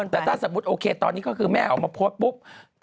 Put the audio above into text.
แต่ถ้าสมมุติโอเคตอนนี้ก็คือแม่ออกมาโพสต์ปุ๊บ